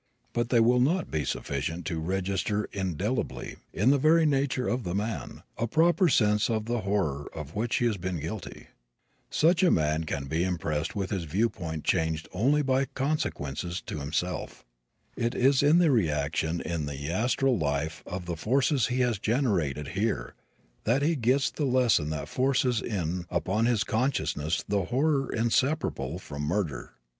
But they will not be sufficient to register indelibly, in the very nature of the man, a proper sense of the horror of which he has been guilty. Such a man can be impressed and his viewpoint changed only by consequences to himself. It is in the reaction in the astral life of the forces he has generated here that he gets the lesson that forces in upon his consciousness the horror inseparable from murder.